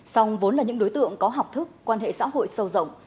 song vốn là những đối tượng có học thức quan hệ xã hội sâu rộng